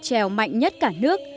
treo mạnh nhất cả nước